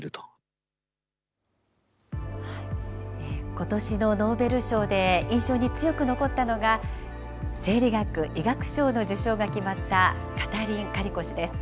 ことしのノーベル賞で印象に強く残ったのが、生理学・医学賞の受賞が決まったカタリン・カリコ氏です。